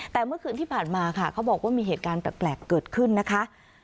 แต่เมื่อคืนที่ผ่านมาค่ะเขาบอกว่ามีเหตุการณ์แปลกเกิดขึ้นนะคะ